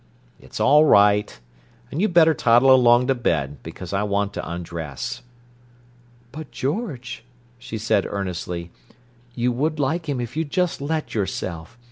It's all right, and you'd better toddle along to bed, because I want to undress." "But, George," she said earnestly, "you would like him, if you'd just let yourself.